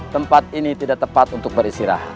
tempat ini tidak tepat untuk beristirahat